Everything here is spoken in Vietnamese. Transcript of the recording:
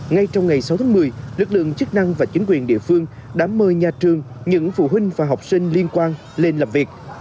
ngay trong ngày sáu tháng một mươi lực lượng chức năng và chính quyền địa phương đã mời nhà trường những phụ huynh và học sinh liên quan lên làm việc